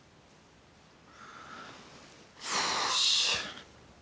よし。